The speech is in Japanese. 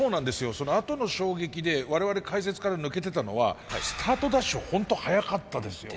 そのあとの衝撃で我々解説から抜けてたのはスタートダッシュホント速かったですよね。